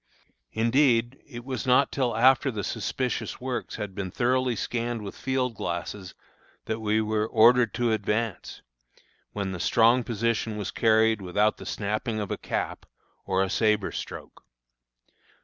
Indeed, it was not till after the suspicious works had been thoroughly scanned with field glasses that we were ordered to advance, when the strong position was carried without the snapping of a cap, or a sabre stroke.